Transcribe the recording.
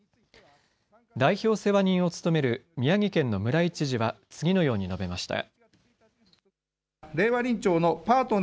代表世話人を務める宮城県の村井知事は次のように述べました。